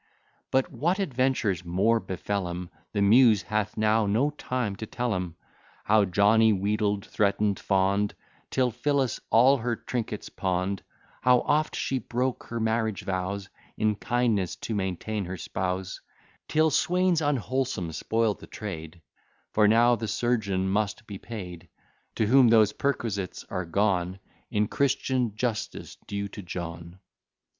But what adventures more befell 'em, The Muse hath now no time to tell 'em; How Johnny wheedled, threaten'd, fawn'd, Till Phyllis all her trinkets pawn'd: How oft she broke her marriage vows, In kindness to maintain her spouse, Till swains unwholesome spoil'd the trade; For now the surgeon must be paid, To whom those perquisites are gone, In Christian justice due to John.